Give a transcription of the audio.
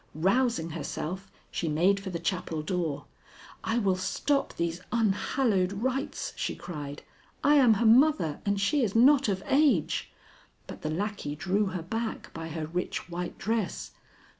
Rousing herself, she made for the chapel door. 'I will stop these unhallowed rites!' she cried! 'I am her mother, and she is not of age.' But the lackey drew her back by her rich white dress.